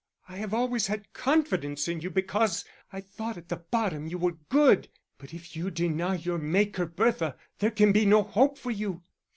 I have always had confidence in you, because I thought at the bottom you were good. But if you deny your Maker, Bertha, there can be no hope for you."